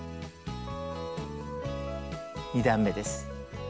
２段めです。